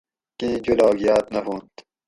کئ جولاگ یاۤد نہ ہوانت